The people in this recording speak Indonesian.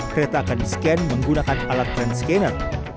kereta akan disken menggunakan alat train scanner